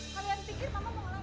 kalian pikir mama mau ngelawan